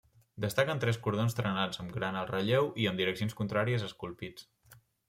Destaquen tres cordons trenats amb gran alt relleu i amb direccions contràries esculpits.